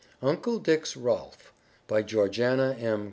UNCLE DICK'S ROLF By Georgiana M.